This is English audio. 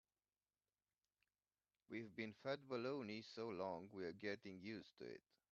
We've been fed baloney so long we're getting used to it.